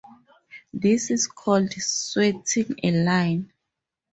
This is called "sweating a line".